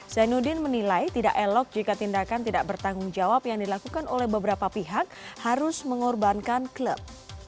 zainuddin menilai tidak elok jika tindakan tidak bertanggung jawab yang dilakukan oleh beberapa pihak harus mengorbankan klub